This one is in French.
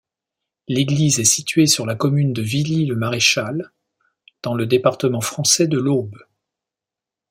L'église est située sur la commune de Villy-le-Maréchal, dans le département français de l'Aube.